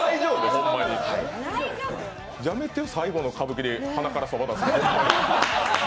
やめて、最後の歌舞伎で鼻からそば出すの。